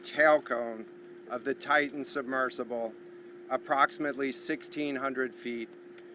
dalam konsultasi dengan ekspert dari komandan unified